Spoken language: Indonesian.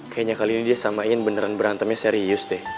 kayaknya kali ini dia samain beneran berantemnya serius deh